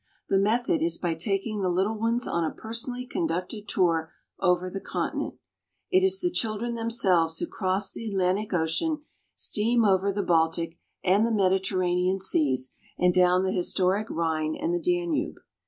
The method is by taking the little ones on a personally conducted tour over the continent. It is the children themselves who cross the Atlantic Ocean, steam over the Baltic and the Mediterranean seas and down the historic Rhine and the Danube.